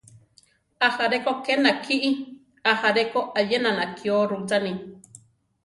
Ajaré ko ké nakí; ajaré ko ayena nakió rucháni.